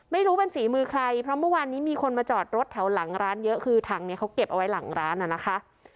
ไม่รู้เป็นฝีมือใครเพราะเมื่อวานนี้มีคนมาจอดรถแถวหลังร้านเยอะคือถังนี้เขาเก็บเอาไว้หลังร้านน่ะนะคะ